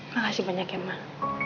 makasih banyak ya mak